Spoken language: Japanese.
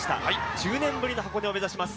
１０年ぶりの箱根を目指します